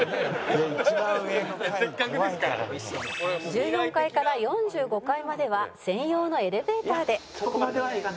「１４階から４５階までは専用のエレベーターで」